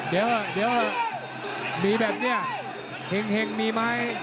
เดี๋ยวมีแบบนี้เห็งมีไหม